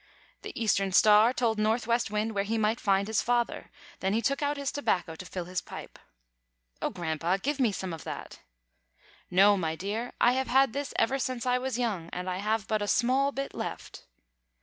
The Eastern Star told Northwest Wind where he might find his father; then he took out his tobacco to fill his pipe. "Oh, Grandpa, give me some of that." "No, my dear, I have had this ever since I was young, and I have but a small bit left."